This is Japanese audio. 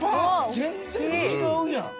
全然違うやん。